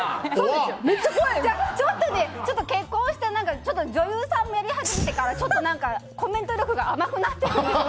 ちょっと結婚して女優さん始めてからちょっとコメント力が甘くなってる。